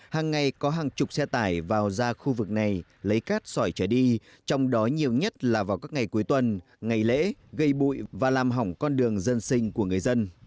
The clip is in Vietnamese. hàng ngày có hàng chục xe tải vào ra khu vực này lấy cát sỏi trở đi trong đó nhiều nhất là vào các ngày cuối tuần ngày lễ gây bụi và làm hỏng con đường dân sinh của người dân